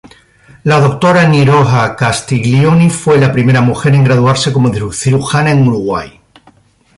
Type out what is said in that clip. La doctora Dinorah Castiglioni, fue la primera mujer en graduarse como cirujana en Uruguay.